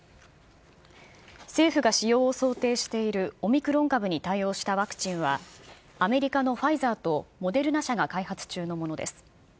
政府が使用を想定しているオミクロン株に対応したワクチンは、アメリカのファイザーとモデルナ社が開発中のものです。